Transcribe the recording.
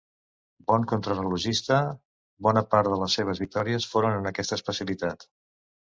Bon contrarellotgista, bona part de les seves victòries foren en aquesta especialitat.